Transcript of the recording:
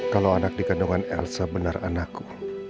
kalau anak di kandungan elsa benar anakku